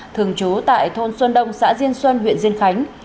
thường trú tại thôn xuân đông xã diên xuân huyện diên khánh